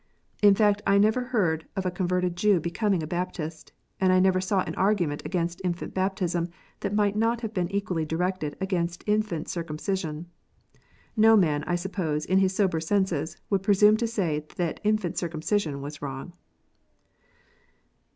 In fact I never heard of a converted Jew becoming a Baptist, and I never saw an argument against infant baptism that might not have been equally directed against infant circumcision. No man, I suppose, in his sober senses, would presume to say that infant circumcision was wrong.